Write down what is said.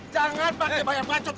jangan pakai banyak pancot